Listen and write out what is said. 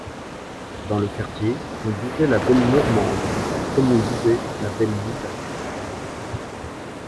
Dans le quartier, on disait la belle Normande, comme on disait la belle Lisa.